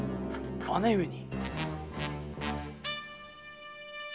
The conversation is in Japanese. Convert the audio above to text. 姉上に？